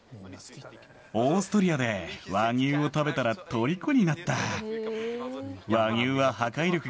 オーストリアで和牛を食べたらとりこになった。